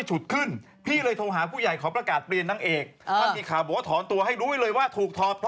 เหลืออีก๒ใช่ไหม